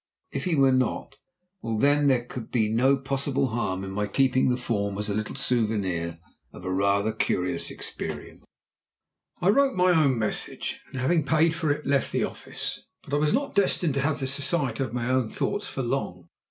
If he were not, well, then there could be no possible harm in my keeping the form as a little souvenir of a rather curious experience. I wrote my own message, and having paid for it left the office. But I was not destined to have the society of my own thoughts for long.